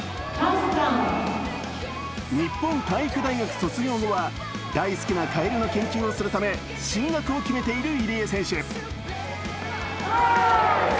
日本体育大学卒業後は、大好きなカエルの研究をするため進学を決めている入江選手。